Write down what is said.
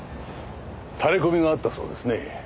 タレコミがあったそうですね。